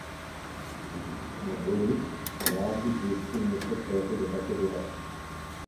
Mohu-li, rád bych ještě něco k této debatě dodal.